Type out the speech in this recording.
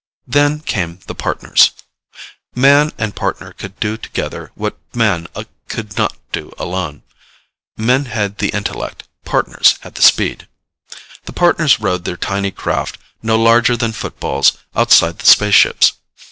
Then came the Partners. Man and Partner could do together what Man could not do alone. Men had the intellect. Partners had the speed. The Partners rode their tiny craft, no larger than footballs, outside the spaceships.